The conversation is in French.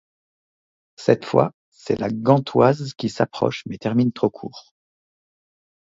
Cette fois, c'est La Gantoise qui s'accroche mais termine trop court.